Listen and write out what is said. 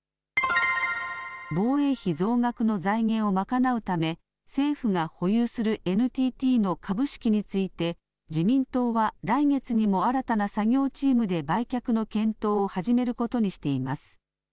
防衛費増額の財源を賄うため、政府が保有するＮＴＴの株式について、自民党は来月にも新たな作業チームで売却の検討を始めることにしています。